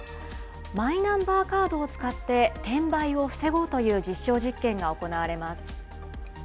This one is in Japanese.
マイナンバーカードを使って、転売を防ごうという実証実験が行われます。